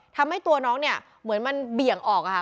ทำให้ตัวน้องเนี่ยเหมือนมันเบี่ยงออกค่ะ